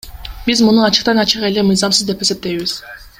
Биз муну ачыктан ачык эле мыйзамсыз деп эсептейбиз.